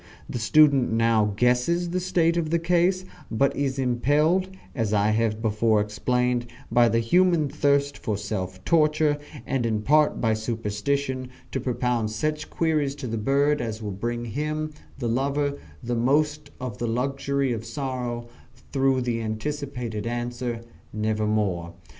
The student now guesses the state of the case, but is impelled, as I have before explained, by the human thirst for self torture, and in part by superstition, to propound such queries to the bird as will bring him, the lover, the most of the luxury of sorrow, through the anticipated answer, "Nevermore."